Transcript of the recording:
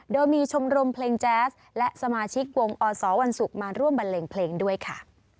โดยมีชมรมเพลงแจ๊สและสมาชิกวงอสวันศุกร์มาร่วมบันเลงเพลงด้วยค่ะ